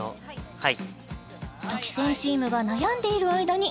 はい！